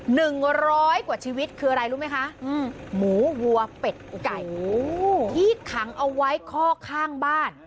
หนึ่งร้อยกว่าชีวิตคืออะไรรู้ไหมคะอืมหมูวัวเป็ดไก่ที่ขังเอาไว้ข้อข้างบ้าน